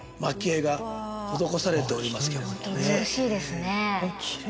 ホント美しいですね。